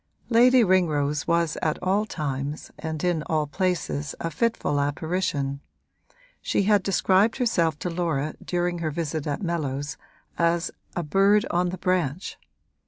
Lady Ringrose was at all times and in all places a fitful apparition; she had described herself to Laura during her visit at Mellows as 'a bird on the branch.'